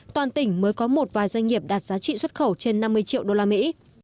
toàn tỉnh mới có một vài doanh nghiệp đạt giá trị xuất khẩu trên năm mươi triệu đô la mỹ